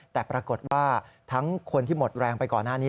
แต่ปรากฏว่าทั้งคนที่หมดแรงไปก่อนหน้านี้